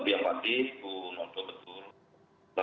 tapi yang pasti ibu nonto betul betul